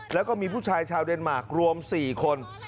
แล้วก็มีผู้ชายชาวเดนมาร์ครวม๔คน